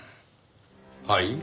はい？